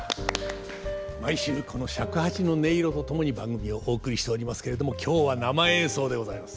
毎週この尺八の音色と共に番組をお送りしておりますけれども今日は生演奏でございます。